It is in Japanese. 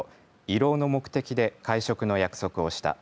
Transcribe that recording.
慰労の目的で会食の約束をした。